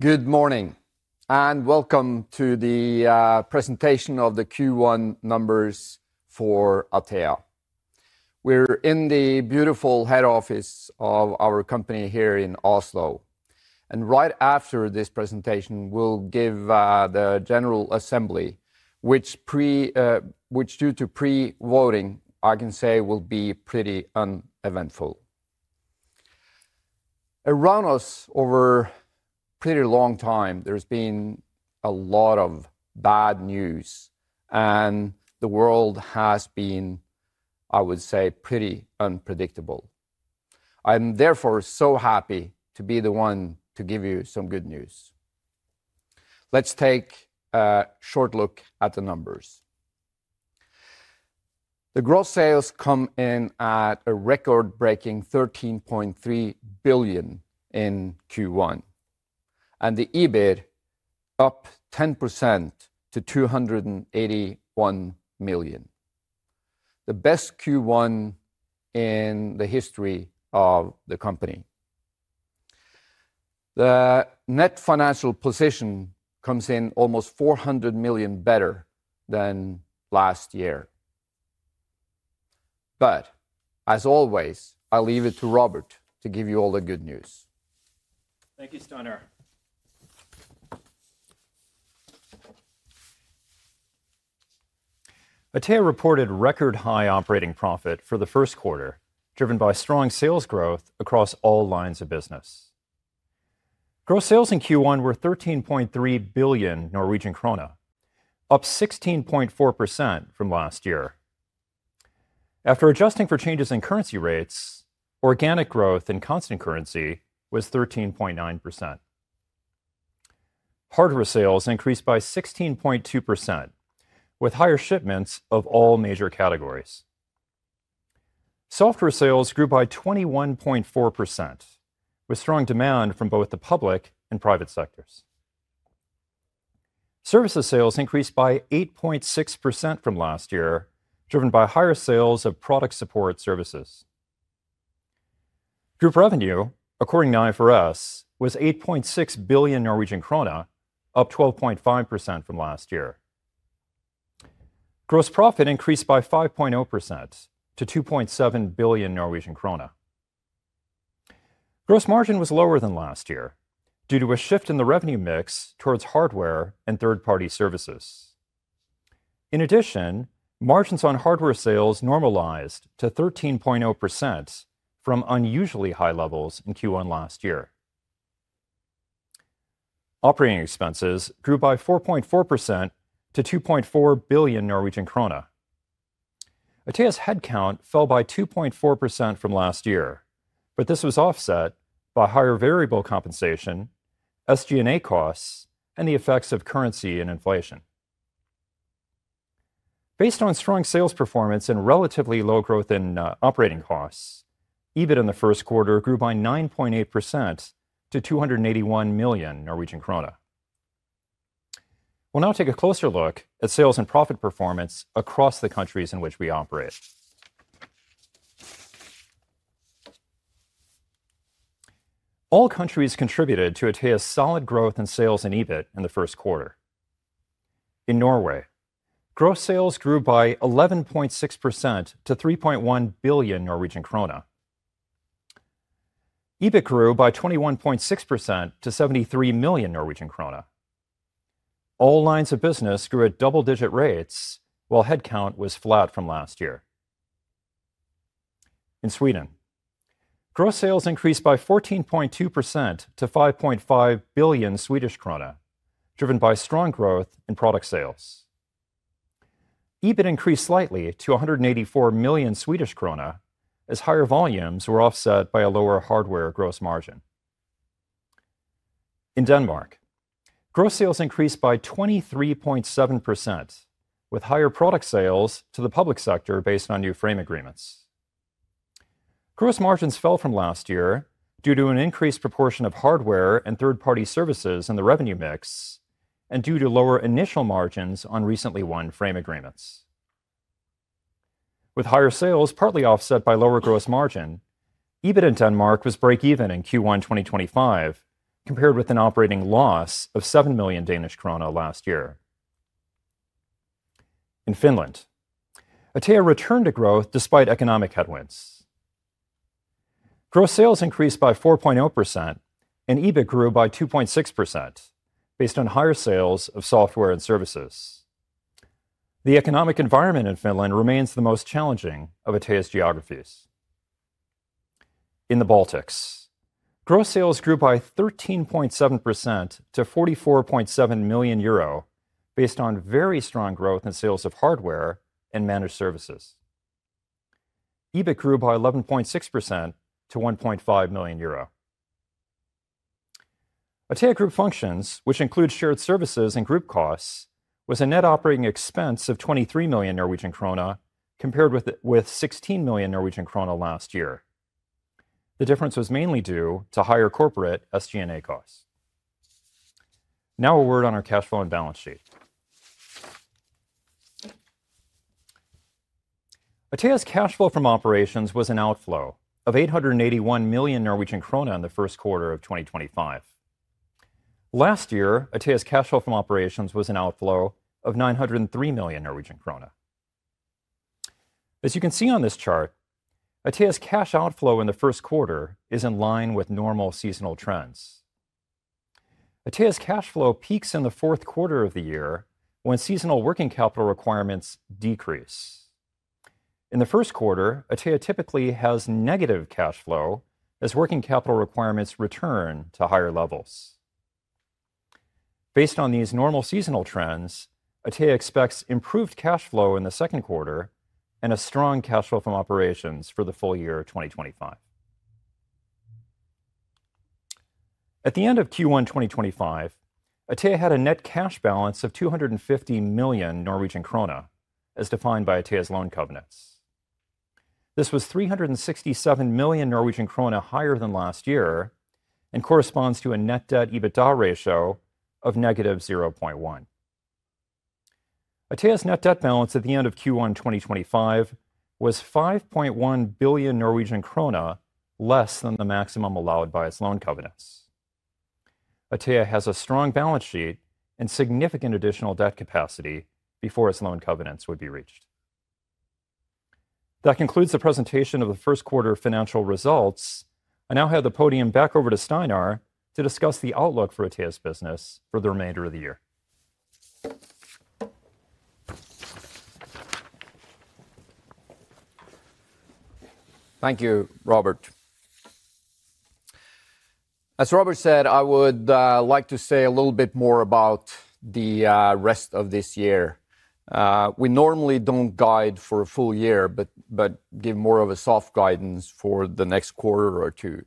Good morning, and welcome to the presentation of the Q1 numbers for Atea. We are in the beautiful head office of our company here in Oslo. Right after this presentation, we will give the general assembly, which, due to pre-voting, I can say will be pretty uneventful. Around us, over a pretty long time, there has been a lot of bad news, and the world has been, I would say, pretty unpredictable. I am therefore so happy to be the one to give you some good news. Let's take a short look at the numbers. The gross sales come in at a record-breaking 13.3 billion in Q1, and the EBIT is up 10% to 281 million. The best Q1 in the history of the company. The net financial position comes in almost 400 million better than last year. As always, I will leave it to Robert to give you all the good news. Thank you, Steinar. Atea reported record-high operating profit for the first quarter, driven by strong sales growth across all lines of business. Gross sales in Q1 were 13.3 billion Norwegian krone, up 16.4% from last year. After adjusting for changes in currency rates, organic growth in constant currency was 13.9%. Hardware sales increased by 16.2%, with higher shipments of all major categories. Software sales grew by 21.4%, with strong demand from both the public and private sectors. Services sales increased by 8.6% from last year, driven by higher sales of product support services. Group revenue, according to IFRS, was 8.6 billion Norwegian krone, up 12.5% from last year. Gross profit increased by 5.0% to 2.7 billion Norwegian krone. Gross margin was lower than last year, due to a shift in the revenue mix towards hardware and third-party services. In addition, margins on hardware sales normalized to 13.0% from unusually high levels in Q1 last year. Operating expenses grew by 4.4% to 2.4 billion Norwegian krone. Atea's headcount fell by 2.4% from last year, but this was offset by higher variable compensation, SG&A costs, and the effects of currency and inflation. Based on strong sales performance and relatively low growth in operating costs, EBIT in the first quarter grew by 9.8% to 281 million Norwegian krone. We'll now take a closer look at sales and profit performance across the countries in which we operate. All countries contributed to Atea's solid growth in sales and EBIT in the first quarter. In Norway, gross sales grew by 11.6% to 3.1 billion Norwegian krone. EBIT grew by 21.6% to 73 million Norwegian krone. All lines of business grew at double-digit rates, while headcount was flat from last year. In Sweden, gross sales increased by 14.2% to 5.5 billion Swedish krona, driven by strong growth in product sales. EBIT increased slightly to 184 million Swedish krona, as higher volumes were offset by a lower hardware gross margin. In Denmark, gross sales increased by 23.7%, with higher product sales to the public sector based on new frame agreements. Gross margins fell from last year due to an increased proportion of hardware and third-party services in the revenue mix, and due to lower initial margins on recently won frame agreements. With higher sales partly offset by lower gross margin, EBIT in Denmark was break-even in Q1 2025, compared with an operating loss of 7 million Danish krone last year. In Finland, Atea returned to growth despite economic headwinds. Gross sales increased by 4.0%, and EBIT grew by 2.6%, based on higher sales of software and services. The economic environment in Finland remains the most challenging of Atea's geographies. In the Baltics, gross sales grew by 13.7% to 44.7 million euro, based on very strong growth in sales of hardware and managed services. EBIT grew by 11.6% to 1.5 million euro. Atea Group Functions, which includes shared services and group costs, was a net operating expense of 23 million Norwegian krone, compared with 16 million Norwegian krone last year. The difference was mainly due to higher corporate SG&A costs. Now a word on our cash flow and balance sheet. Atea's cash flow from operations was an outflow of 881 million Norwegian krone in the first quarter of 2025. Last year, Atea's cash flow from operations was an outflow of 903 million Norwegian krone. As you can see on this chart, Atea's cash outflow in the first quarter is in line with normal seasonal trends. Atea's cash flow peaks in the fourth quarter of the year when seasonal working capital requirements decrease. In the first quarter, Atea typically has negative cash flow, as working capital requirements return to higher levels. Based on these normal seasonal trends, Atea expects improved cash flow in the second quarter and a strong cash flow from operations for the full year 2025. At the end of Q1 2025, Atea had a net cash balance of 250 million Norwegian krone, as defined by Atea's loan covenants. This was 367 million Norwegian krone higher than last year and corresponds to a net debt/EBITDA ratio of negative 0.1. Atea's net debt balance at the end of Q1 2025 was 5.1 billion Norwegian krone less than the maximum allowed by its loan covenants. Atea has a strong balance sheet and significant additional debt capacity before its loan covenants would be reached. That concludes the presentation of the first quarter financial results. I now have the podium back over to Steinar to discuss the outlook for Atea's business for the remainder of the year. Thank you, Robert. As Robert said, I would like to say a little bit more about the rest of this year. We normally do not guide for a full year, but give more of a soft guidance for the next quarter or two.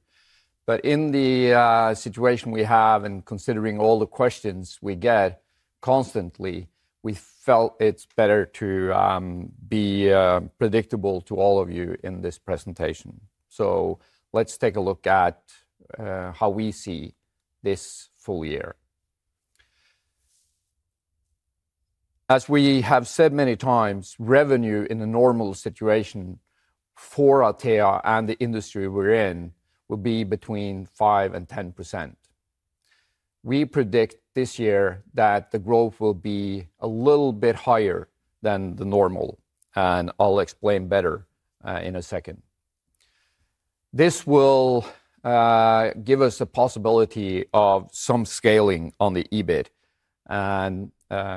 In the situation we have and considering all the questions we get constantly, we felt it is better to be predictable to all of you in this presentation. Let us take a look at how we see this full year. As we have said many times, revenue in a normal situation for Atea and the industry we are in will be between 5%-10%. We predict this year that the growth will be a little bit higher than the normal, and I will explain better in a second. This will give us a possibility of some scaling on the EBIT, and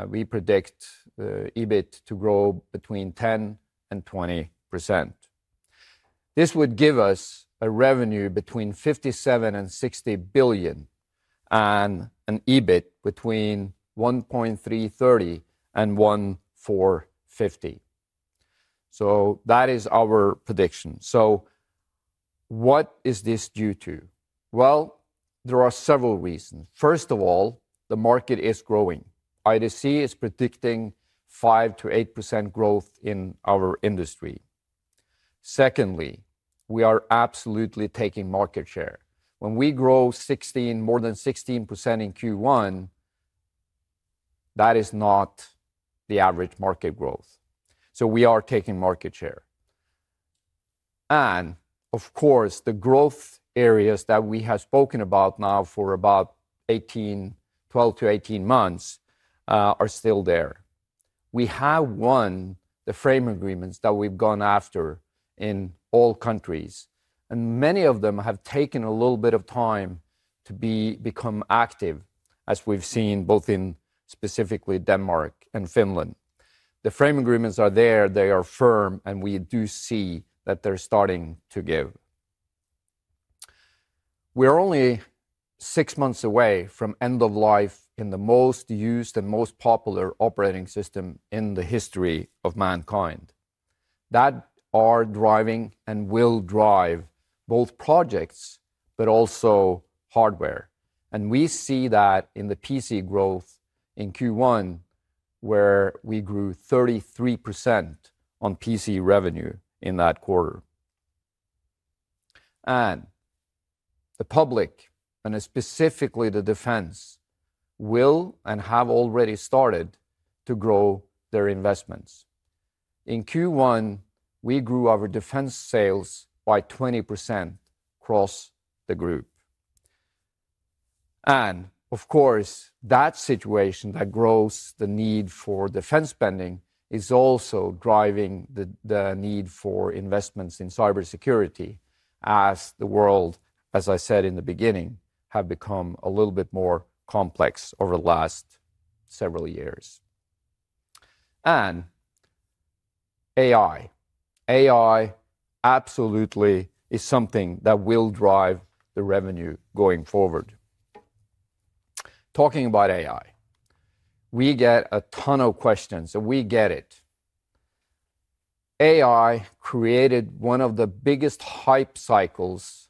we predict EBIT to grow between 10%-20%. This would give us a revenue between 57 billion-60 billion, and an EBIT between 1.330 billion-1.450 billion. That is our prediction. What is this due to? There are several reasons. First of all, the market is growing. IDC is predicting 5%-8% growth in our industry. Secondly, we are absolutely taking market share. When we grow more than 16% in Q1, that is not the average market growth. We are taking market share. Of course, the growth areas that we have spoken about now for about 12-18 months are still there. We have won the frame agreements that we've gone after in all countries, and many of them have taken a little bit of time to become active, as we've seen both in specifically Denmark and Finland. The frame agreements are there, they are firm, and we do see that they're starting to give. We are only six months away from end of life in the most used and most popular operating system in the history of mankind. That is driving and will drive both projects, but also hardware. We see that in the PC growth in Q1, where we grew 33% on PC revenue in that quarter. The public, and specifically the defense, will and have already started to grow their investments. In Q1, we grew our defense sales by 20% across the group. Of course, that situation that grows the need for defense spending is also driving the need for investments in cybersecurity, as the world, as I said in the beginning, has become a little bit more complex over the last several years. AI, AI absolutely is something that will drive the revenue going forward. Talking about AI, we get a ton of questions, and we get it. AI created one of the biggest hype cycles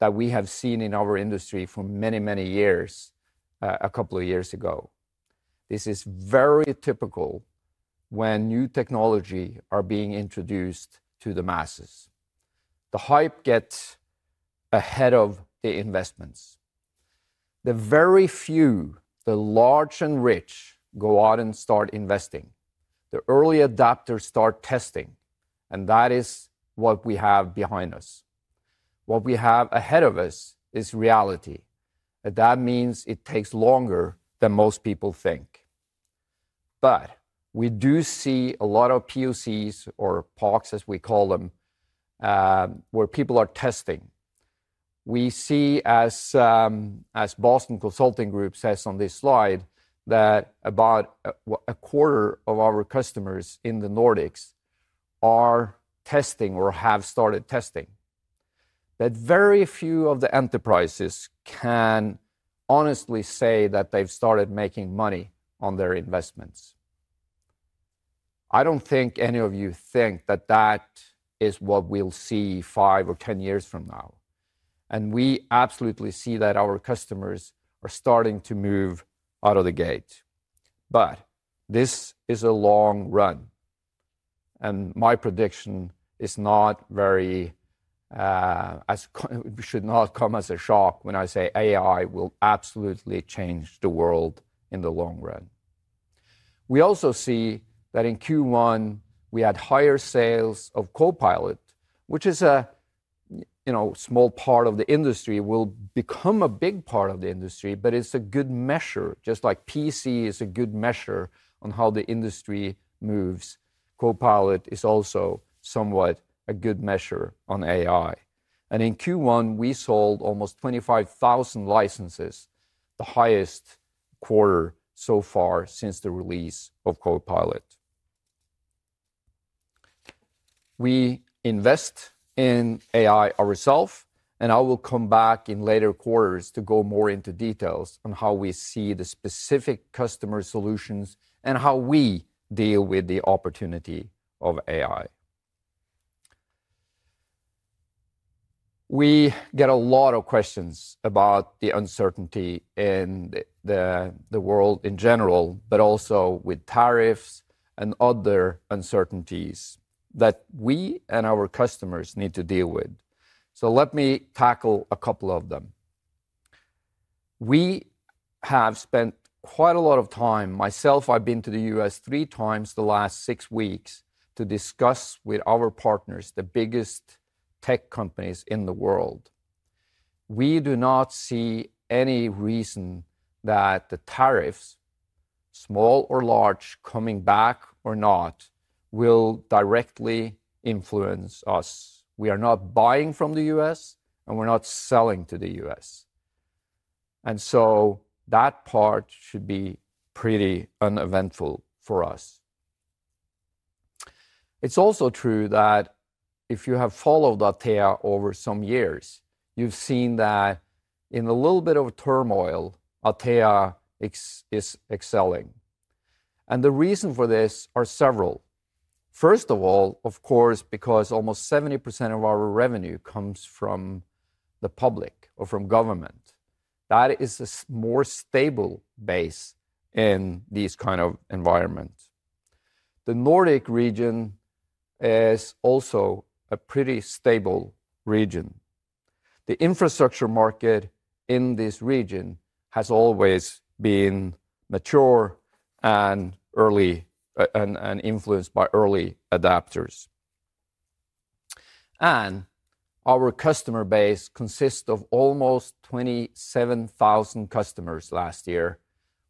that we have seen in our industry for many, many years a couple of years ago. This is very typical when new technology is being introduced to the masses. The hype gets ahead of the investments. The very few, the large and rich, go out and start investing. The early adopters start testing, and that is what we have behind us. What we have ahead of us is reality. That means it takes longer than most people think. We do see a lot of POCs, or POCs as we call them, where people are testing. We see, as Boston Consulting Group says on this slide, that about a quarter of our customers in the Nordics are testing or have started testing. Very few of the enterprises can honestly say that they've started making money on their investments. I don't think any of you think that that is what we'll see five or ten years from now. We absolutely see that our customers are starting to move out of the gate. This is a long run, and my prediction is not very—it should not come as a shock when I say AI will absolutely change the world in the long run. We also see that in Q1, we had higher sales of Copilot, which is a small part of the industry. It will become a big part of the industry, but it's a good measure, just like PC is a good measure on how the industry moves. Copilot is also somewhat a good measure on AI. In Q1, we sold almost 25,000 licenses, the highest quarter so far since the release of Copilot. We invest in AI ourselves, and I will come back in later quarters to go more into details on how we see the specific customer solutions and how we deal with the opportunity of AI. We get a lot of questions about the uncertainty in the world in general, but also with tariffs and other uncertainties that we and our customers need to deal with. Let me tackle a couple of them. We have spent quite a lot of time—myself, I've been to the U.S. three times the last six weeks—to discuss with our partners, the biggest tech companies in the world. We do not see any reason that the tariffs, small or large, coming back or not, will directly influence us. We are not buying from the U.S., and we're not selling to the U.S. That part should be pretty uneventful for us. It is also true that if you have followed Atea over some years, you've seen that in a little bit of turmoil, Atea is excelling. The reason for this is several. First of all, of course, because almost 70% of our revenue comes from the public or from government. That is a more stable base in these kinds of environments. The Nordic region is also a pretty stable region. The infrastructure market in this region has always been mature and influenced by early adopters. Our customer base consists of almost 27,000 customers last year,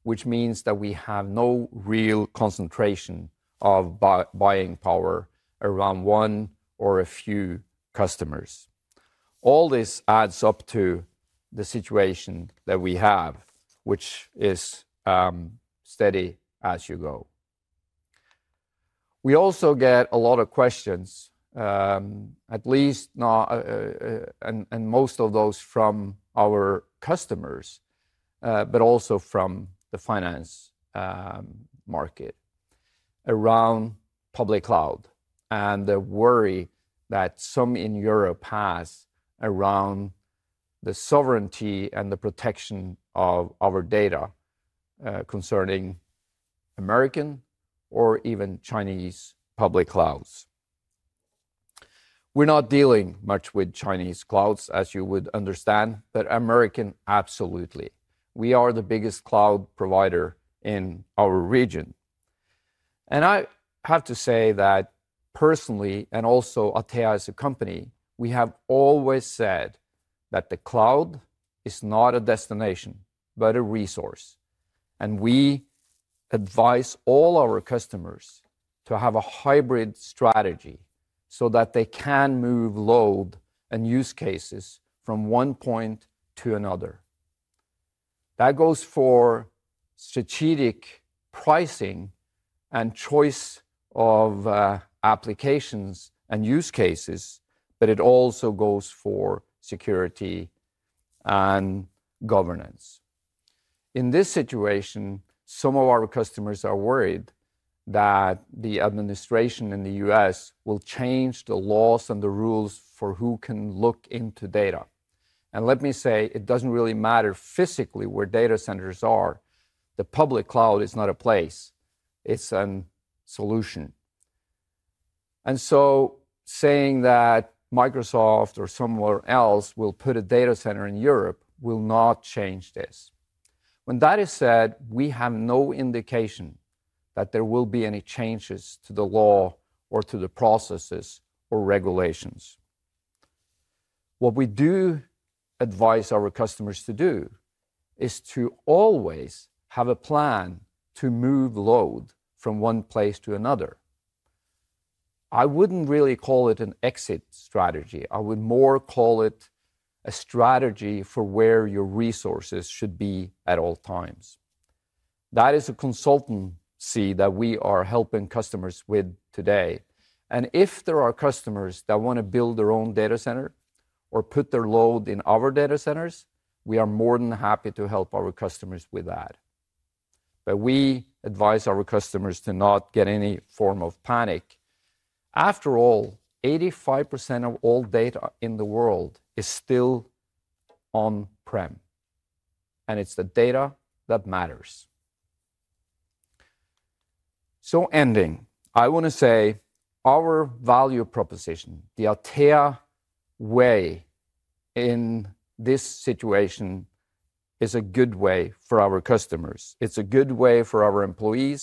which means that we have no real concentration of buying power around one or a few customers. All this adds up to the situation that we have, which is steady as you go. We also get a lot of questions, at least, most of those from our customers, but also from the finance market around public cloud and the worry that some in Europe have around the sovereignty and the protection of our data concerning American or even Chinese public clouds. We are not dealing much with Chinese clouds, as you would understand, but American absolutely. We are the biggest cloud provider in our region. I have to say that personally, and also Atea as a company, we have always said that the cloud is not a destination, but a resource. We advise all our customers to have a hybrid strategy so that they can move load and use cases from one point to another. That goes for strategic pricing and choice of applications and use cases, but it also goes for security and governance. In this situation, some of our customers are worried that the administration in the U.S. will change the laws and the rules for who can look into data. Let me say, it doesn't really matter physically where data centers are. The public cloud is not a place. It's a solution. Saying that Microsoft or somewhere else will put a data center in Europe will not change this. When that is said, we have no indication that there will be any changes to the law or to the processes or regulations. What we do advise our customers to do is to always have a plan to move load from one place to another. I would not really call it an exit strategy. I would more call it a strategy for where your resources should be at all times. That is a consultancy that we are helping customers with today. If there are customers that want to build their own data center or put their load in our data centers, we are more than happy to help our customers with that. We advise our customers to not get any form of panic. After all, 85% of all data in the world is still on-prem, and it is the data that matters. Ending, I want to say our value proposition, the Atea way in this situation, is a good way for our customers. It's a good way for our employees,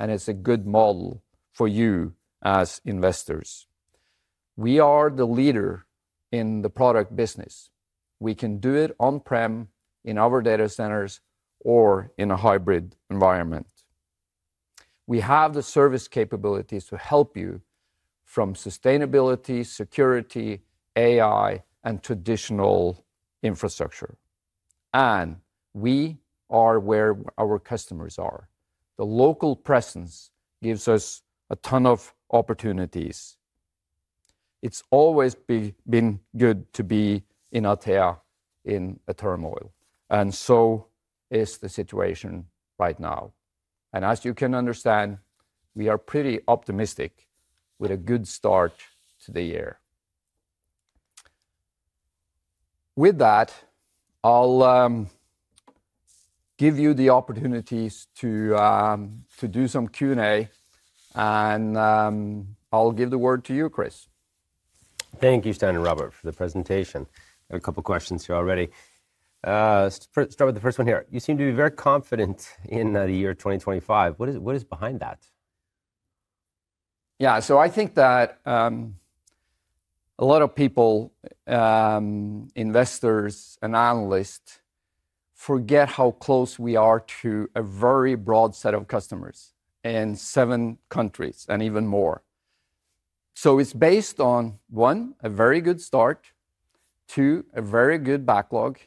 and it's a good model for you as investors. We are the leader in the product business. We can do it on-prem, in our data centers, or in a hybrid environment. We have the service capabilities to help you from sustainability, security, AI, and traditional infrastructure. We are where our customers are. The local presence gives us a ton of opportunities. It's always been good to be in Atea in a turmoil, and so is the situation right now. As you can understand, we are pretty optimistic with a good start to the year. With that, I'll give you the opportunities to do some Q&A, and I'll give the word to you, Chris. Thank you, Steinar Sønsteby, Robert, for the presentation. I have a couple of questions here already. Let's start with the first one here. You seem to be very confident in the year 2025. What is behind that? Yeah, I think that a lot of people, investors and analysts, forget how close we are to a very broad set of customers in seven countries and even more. It is based on, one, a very good start, two, a very good backlog,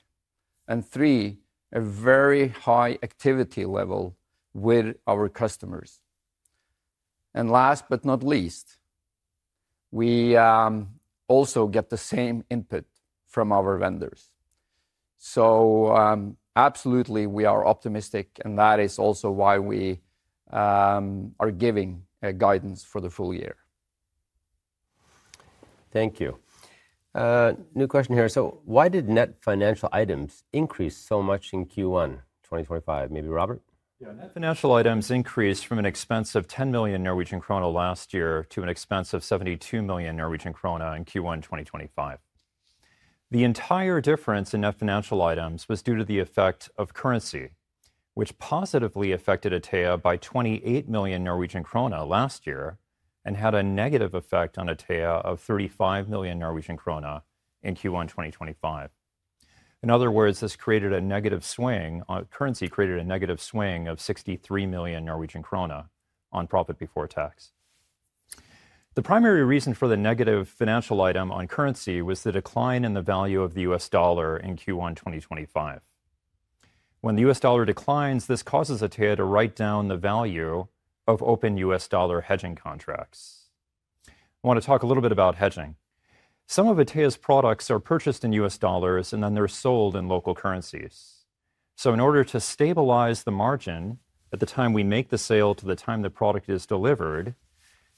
and three, a very high activity level with our customers. Last but not least, we also get the same input from our vendors. Absolutely, we are optimistic, and that is also why we are giving guidance for the full year. Thank you. New question here. Why did net financial items increase so much in Q1 2025? Maybe Robert? Yeah, net financial items increased from an expense of 10 million Norwegian krone last year to an expense of 72 million Norwegian krone in Q1 2025. The entire difference in net financial items was due to the effect of currency, which positively affected Atea by 28 million Norwegian krone last year and had a negative effect on Atea of 35 million Norwegian krone in Q1 2025. In other words, this created a negative swing on currency, created a negative swing of 63 million Norwegian krone on profit before tax. The primary reason for the negative financial item on currency was the decline in the value of the US dollar in Q1 2025. When the US dollar declines, this causes Atea to write down the value of open US dollar hedging contracts. I want to talk a little bit about hedging. Some of Atea's products are purchased in US dollars, and then they're sold in local currencies. In order to stabilize the margin at the time we make the sale to the time the product is delivered,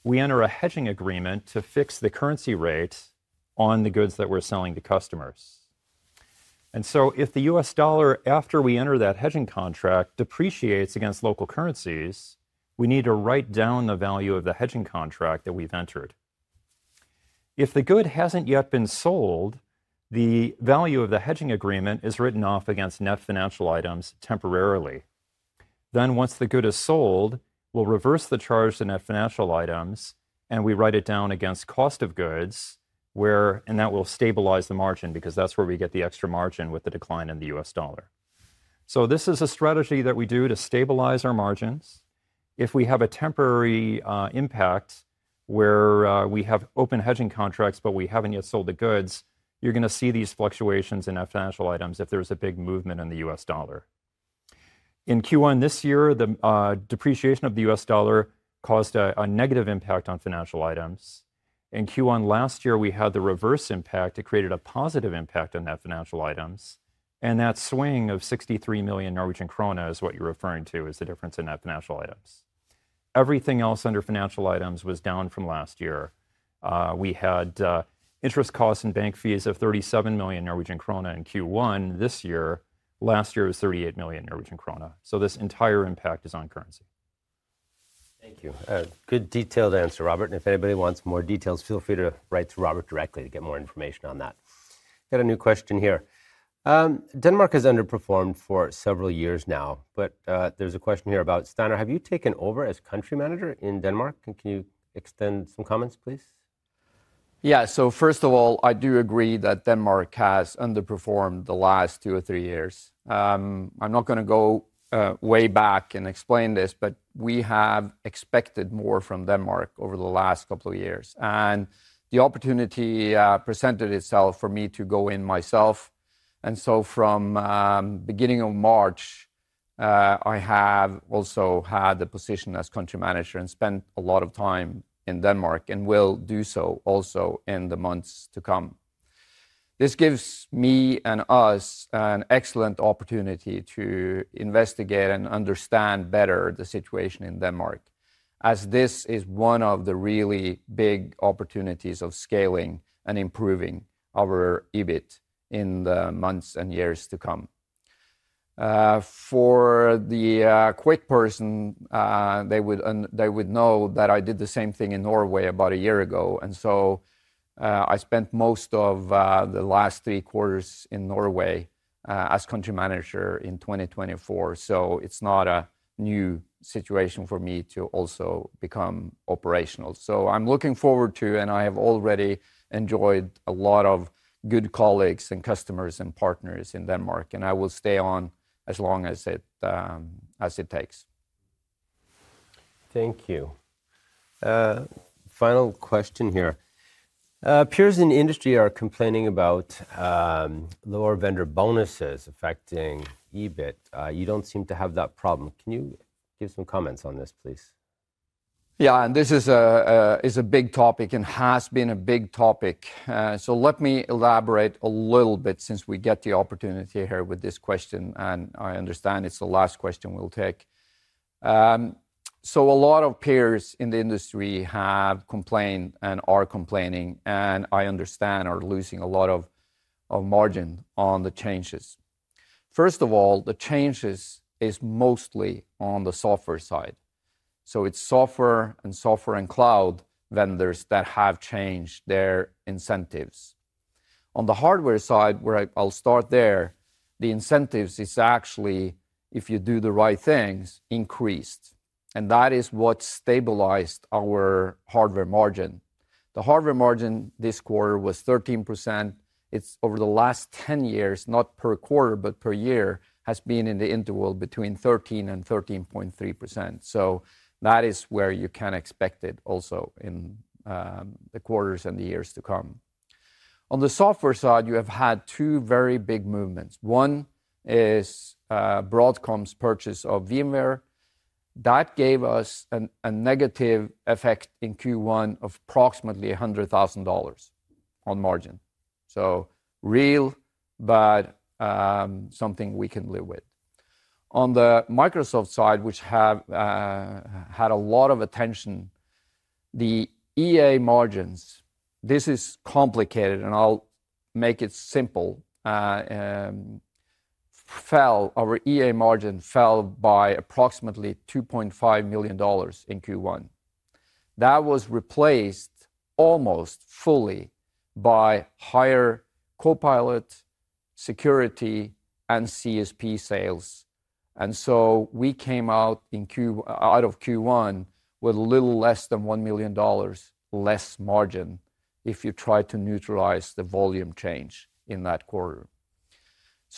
we enter a hedging agreement to fix the currency rate on the goods that we're selling to customers. If the US dollar, after we enter that hedging contract, depreciates against local currencies, we need to write down the value of the hedging contract that we've entered. If the good hasn't yet been sold, the value of the hedging agreement is written off against net financial items temporarily. Once the good is sold, we'll reverse the charge to net financial items, and we write it down against cost of goods, and that will stabilize the margin because that's where we get the extra margin with the decline in the US dollar. This is a strategy that we do to stabilize our margins. If we have a temporary impact where we have open hedging contracts, but we have not yet sold the goods, you are going to see these fluctuations in net financial items if there is a big movement in the US dollar. In Q1 this year, the depreciation of the US dollar caused a negative impact on financial items. In Q1 last year, we had the reverse impact. It created a positive impact on net financial items. That swing of 63 million Norwegian krone is what you are referring to as the difference in net financial items. Everything else under financial items was down from last year. We had interest costs and bank fees of 37 million Norwegian krone in Q1 this year. Last year was 38 million Norwegian krone. This entire impact is on currency. Thank you. Good detailed answer, Robert. If anybody wants more details, feel free to write to Robert directly to get more information on that. Got a new question here. Denmark has underperformed for several years now, but there is a question here about Steinar. Have you taken over as country manager in Denmark? Can you extend some comments, please? Yeah, first of all, I do agree that Denmark has underperformed the last two or three years. I am not going to go way back and explain this, but we have expected more from Denmark over the last couple of years. The opportunity presented itself for me to go in myself. From the beginning of March, I have also had the position as country manager and spent a lot of time in Denmark and will do so also in the months to come. This gives me and us an excellent opportunity to investigate and understand better the situation in Denmark, as this is one of the really big opportunities of scaling and improving our EBIT in the months and years to come. For the quick person, they would know that I did the same thing in Norway about a year ago. I spent most of the last three quarters in Norway as country manager in 2024. It is not a new situation for me to also become operational. I am looking forward to, and I have already enjoyed, a lot of good colleagues and customers and partners in Denmark. I will stay on as long as it takes. Thank you. Final question here. Peers in the industry are complaining about lower vendor bonuses affecting EBIT. You do not seem to have that problem. Can you give some comments on this, please? Yeah, and this is a big topic and has been a big topic. Let me elaborate a little bit since we get the opportunity here with this question. I understand it's the last question we'll take. A lot of peers in the industry have complained and are complaining, and I understand are losing a lot of margin on the changes. First of all, the changes are mostly on the software side. It's software and software and cloud vendors that have changed their incentives. On the hardware side, where I'll start there, the incentives are actually, if you do the right things, increased. That is what stabilized our hardware margin. The hardware margin this quarter was 13%. Over the last 10 years, not per quarter, but per year, it has been in the interval between 13%-13.3%. That is where you can expect it also in the quarters and the years to come. On the software side, you have had two very big movements. One is Broadcom's purchase of VMware. That gave us a negative effect in Q1 of approximately $100,000 on margin. Real, but something we can live with. On the Microsoft side, which had a lot of attention, the EA margins, this is complicated, and I'll make it simple, fell. Our EA margin fell by approximately $2.5 million in Q1. That was replaced almost fully by higher Copilot security and CSP sales. We came out of Q1 with a little less than $1 million less margin if you try to neutralize the volume change in that quarter.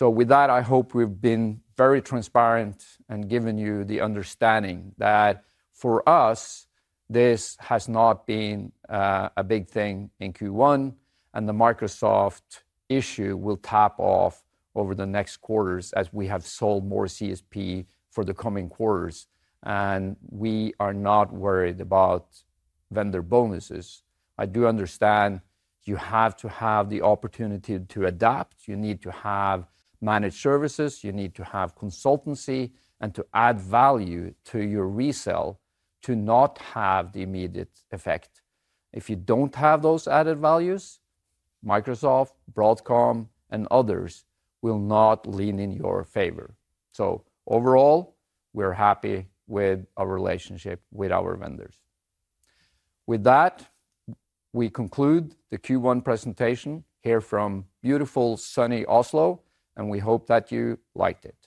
With that, I hope we've been very transparent and given you the understanding that for us, this has not been a big thing in Q1, and the Microsoft issue will tap off over the next quarters as we have sold more CSP for the coming quarters. We are not worried about vendor bonuses. I do understand you have to have the opportunity to adapt. You need to have managed services. You need to have consultancy and to add value to your resale to not have the immediate effect. If you don't have those added values, Microsoft, Broadcom, and others will not lean in your favor. Overall, we're happy with our relationship with our vendors. With that, we conclude the Q1 presentation here from beautiful sunny Oslo, and we hope that you liked it.